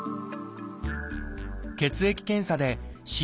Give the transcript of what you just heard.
血液検査でＣＤ